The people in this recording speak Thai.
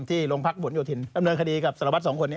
ที่โรงพักผลโยธินดำเนินคดีกับสารวัตรสองคนนี้